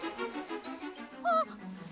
あっ。